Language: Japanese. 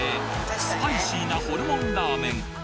スパイシーなホルモンラーメン